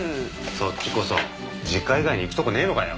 そっちこそ実家以外に行くとこねえのかよ。